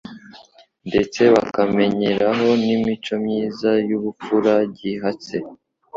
ndetse bakamenyeraho n'imco myiza y'ubupfura gihatse,